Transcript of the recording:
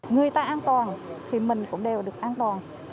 người ta an toàn thì mình cũng đều được an toàn